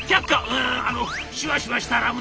「うんあのシュワシュワしたラムネ！」。